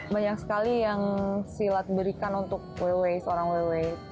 banyak sekali yang silat berikan untuk woywita seorang woywita